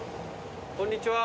こんにちは。